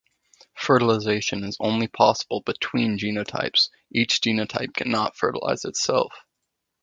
Fertilization is possible only between genotypes; each genotype cannot fertilize itself.